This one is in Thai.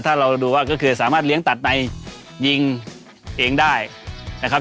ถ้าเราดูว่าก็คือสามารถเลี้ยงตัดในยิงเองได้นะครับ